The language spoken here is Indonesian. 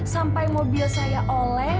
sampai mobil saya oleng